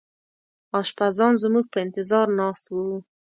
اشپزان زموږ په انتظار ناست وو.